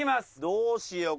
どうしよう？